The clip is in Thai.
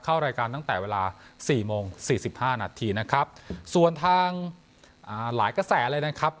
เข้ารายการตั้งแต่เวลาสี่โมงสี่สิบห้านาทีนะครับส่วนทางหลายกระแสเลยนะครับ